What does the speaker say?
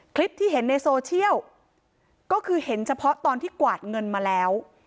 คลิปที่เห็นในโซเชียลก็คือเห็นเฉพาะตอนที่กวาดเงินมาแล้ว